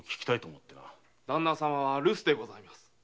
旦那様は留守でございます。